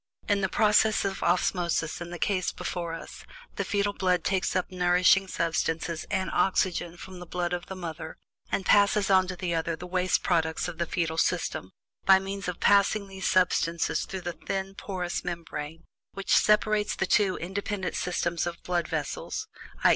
In the process of osmosis in the case before us, the fetal blood takes up nourishing substances and oxygen from the blood of the mother, and passes on to the latter the waste products of the fetal system, by means of passing these substances through the thin porous membranes which separate the two independent systems of blood vessels, i.